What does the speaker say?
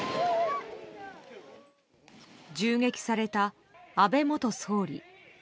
銃撃された安倍元総理。